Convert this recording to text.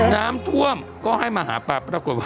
น้ำท่วมก็ให้มาหาปลาปรากฏว่า